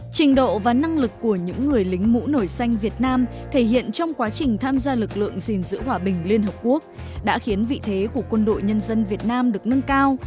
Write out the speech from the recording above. trình độ và năng lực của những người lính mũ nổi xanh việt nam thể hiện trong quá trình tham gia lực lượng gìn giữ hòa bình liên hợp quốc đã khiến vị thế của quân đội nhân dân việt nam được nâng cao